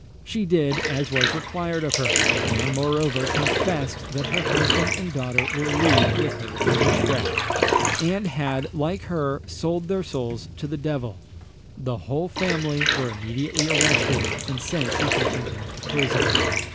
She did as was required of her; and moreover confessed that her husband and daughter were leagued with her in witchcraft, and had, like her, sold their souls to the devil. The whole family were immediately arrested, and sent to Huntingdon to prison.